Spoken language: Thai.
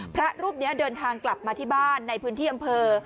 พระรูปนี้เดินทางกลับมาที่บ้านในพื้นที่อำเภอ